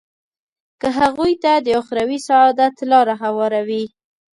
که هغوی ته د اخروي سعادت لاره هواروي.